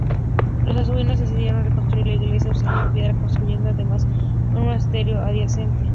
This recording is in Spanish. Los agustinos decidieron reconstruir la iglesia usando piedra construyendo además un monasterio adyacente.